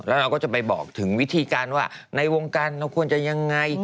แล้วเราก็จะไปบอกถึงวิธีการว่าในวงการเราควรจะยังไง